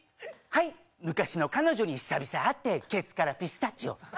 はい、昔の彼女に久々にあってケツからピスタチオ。